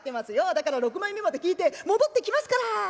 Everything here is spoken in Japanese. だから６枚目まで聞いて戻ってきますから」。